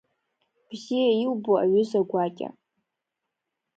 Бзиа иубо аҩыза гәакьа.